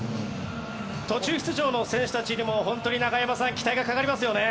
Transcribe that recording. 途中出場の選手たちにも中山さん期待がかかりますよね。